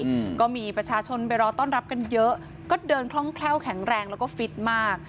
อืมก็มีประชาชนไปรอต้อนรับกันเยอะก็เดินคล่องแคล่วแข็งแรงแล้วก็ฟิตมาก